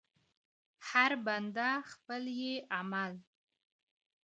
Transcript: هر بنده، خپل ئې عمل.